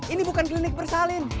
ini bukan klinik bersalin